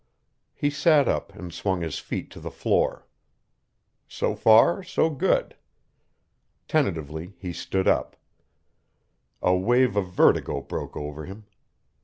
He sat up and swung his feet to the floor. So far, so good. Tentatively, he stood up. A wave of vertigo broke over him.